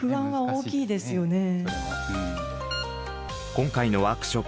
今回のワークショップ